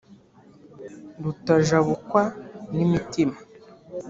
Rutajabukwa n’imitima,